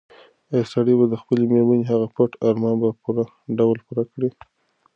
ایا سړی به د خپلې مېرمنې هغه پټ ارمان په پوره ډول پوره کړي؟